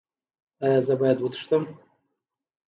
ایا زه باید وتښتم؟